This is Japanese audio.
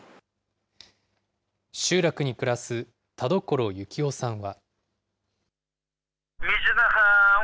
集落に暮らす田所行雄さんは。